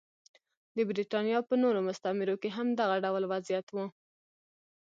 د برېټانیا په نورو مستعمرو کې هم دغه ډول وضعیت و.